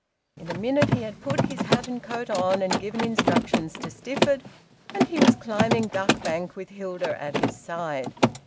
In a minute he had put his hat and coat on and given instructions to Stifford, and he was climbing Duck Bank with Hilda at his side.